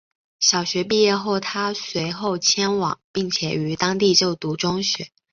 小学毕业后她随后迁往并且于当地就读中学。